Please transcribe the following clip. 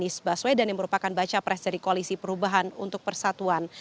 anies baswedan yang merupakan baca pres dari koalisi perubahan untuk persatuan